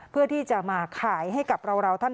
เพื่อที่จะมาขายให้กับเราท่าน